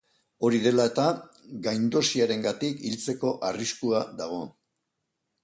Hori dela eta, gaindosiarengatik hiltzeko arriskua dago.